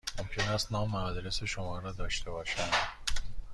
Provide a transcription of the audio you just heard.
ممکن است نام و آدرس شما را داشته باشم؟